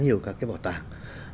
đã nhiều các cái bảo tàng